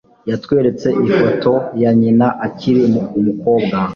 Yatweretse ifoto ya nyina akiri umukobwa.